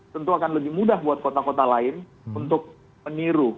tentu akan lebih mudah buat kota kota lain untuk meniru